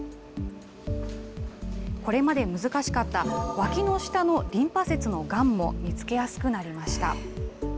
これまで難しかったわきの下のリンパ節のがんも、見つけやすくなりました。